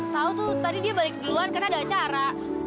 tahu tuh tadi dia balik duluan karena ada acara